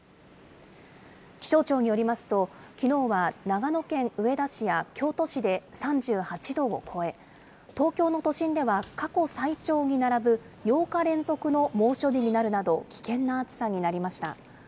気象庁によりますと、きのうは長野県上田市や京都市で３８度を超え、東京の都心では過去最長に並ぶ８日連続の猛暑日になるなど、危険な暑さになりました。